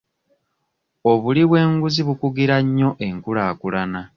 Obuli bw'enguzi bukugira nnyo enkulaakulana.